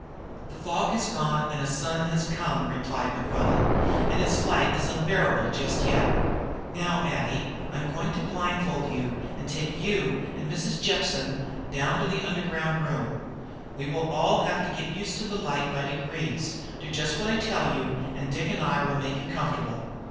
"The fog has gone, and a sun has come," replied Mequillen. "And its light is unbearable just yet. Now, Addie, I am going to blindfold you and take you and Mrs. Jepson down to the underground room. We shall all have to get used to the light by degrees, do just what I tell you, and Dick and I will make you comfortable."